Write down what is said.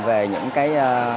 về những cái